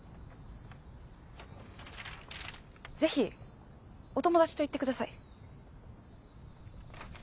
ぜひお友達と行ってください